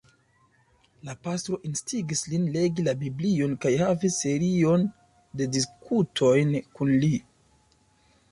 La pastro instigis lin legi la Biblion kaj havis serion de diskutoj kun li.